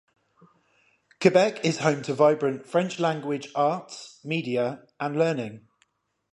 Quebec is home to vibrant French-language arts, media, and learning.